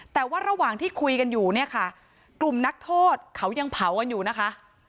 แต่ว่าระหว่างที่คุยกันอยู่เนี่ยค่ะกลุ่มนักโทษเขายังเผากันอยู่นะคะ